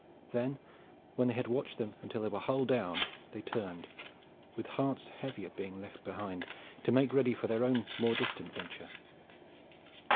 Then when they had watched them until they were hull down they turned, with hearts heavy at being left behind, to make ready for their own more distant venture.